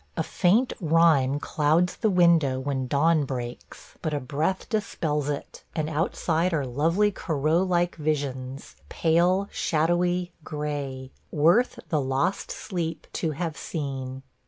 A faint rime clouds the window when dawn breaks, but a breath dispels it, and outside are lovely Corot like visions – pale, shadowy, gray – worth the lost sleep to have seen.